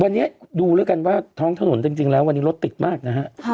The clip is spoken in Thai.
วันนี้ดูแล้วกันว่าท้องถนนจริงแล้ววันนี้รถติดมากนะฮะ